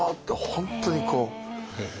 本当にこう。